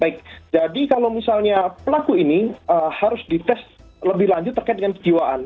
baik jadi kalau misalnya pelaku ini harus dites lebih lanjut terkait dengan kejiwaan